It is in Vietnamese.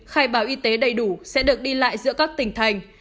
khai báo y tế đầy đủ sẽ được đi lại giữa các tỉnh thành